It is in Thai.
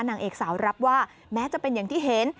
นางเอกสาวรับว่าแม้จะเป็นอย่างที่เห็น